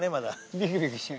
ビクビクしてる。